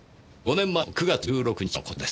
５年前の９月１６日のことです。